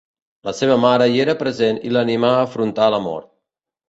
La seva mare hi era present i l'animà a afrontar la mort.